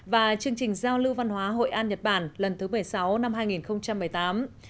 và chương trình giao lưu văn hóa hội an nhật bản lần thứ một mươi sáu năm hai nghìn một mươi tám